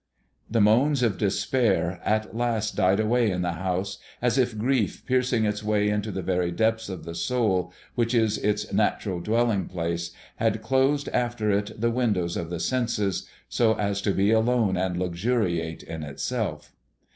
The moans of despair at last died away in the house, as if grief, piercing its way into the very depths of the soul, which is its natural dwelling place, had closed after it the windows of the senses, so as to be alone and luxuriate in itself.